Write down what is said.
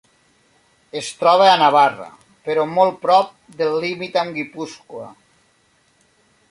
Es troba a Navarra, però molt prop del límit amb Guipúscoa.